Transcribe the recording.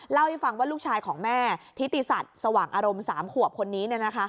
เล่าให้ฟังว่าลูกชายของแม่ทิติสัตว์สว่างอารมณ์๓ขวบคนนี้